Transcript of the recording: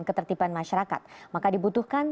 ketertiban masyarakat maka dibutuhkan